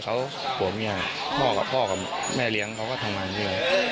เขาผัวเมียพ่อกับพ่อกับแม่เลี้ยงเขาก็ทำงานด้วย